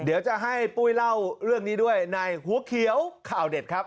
เดี๋ยวจะให้ปุ้ยเล่าเรื่องนี้ด้วยในหัวเขียวข่าวเด็ดครับ